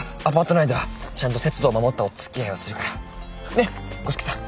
ねっ五色さん。